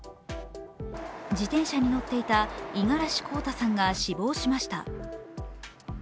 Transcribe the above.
自転車に乗っていた五十嵐洸太さんが死亡しました。